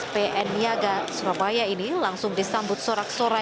pn niaga surabaya ini langsung disambut sorak sorak